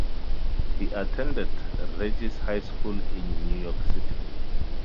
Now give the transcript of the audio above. He attended Regis High School in New York City.